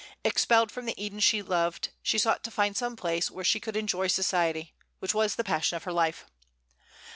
Expelled from the Eden she loved, she sought to find some place where she could enjoy society, which was the passion of her life.